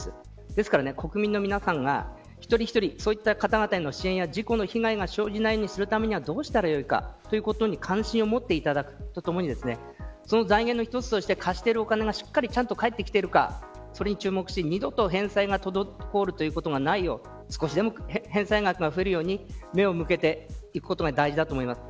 ですから、国民の皆さんが一人一人そう言った方々の支援や、事故の被害が生じないために何をしたらいいかということに関心を持っていただくとともにその財源の一つとして貸しているお金がしっかりと返ってきているかそれに注目して二度と返済が滞ることがないように少しでも返済額が増えるように目を向けていくことが大事だと思います。